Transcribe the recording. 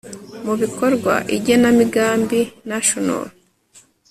mu bikorwa igenamigambi National